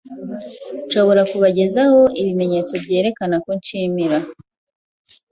Nshobora kubagezaho ibimenyetso byerekana ko nshimira?